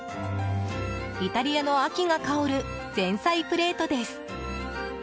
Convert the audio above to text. イタリアの秋が香る前菜プレートです。